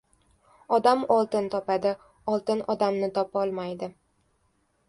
• Odam oltin topadi, oltin odamni topolmaydi.